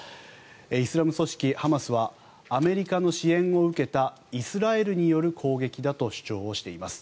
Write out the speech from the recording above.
イスラム組織ハマスはアメリカの支援を受けたイスラエルによる攻撃だと主張をしています。